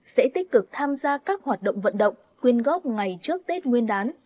sẽ tích cực tham gia các hoạt động vận động quyên góp ngày trước tết nguyên đán